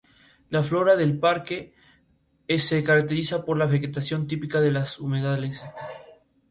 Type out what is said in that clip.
La flora del parque se caracteriza por la vegetación típica de los humedales.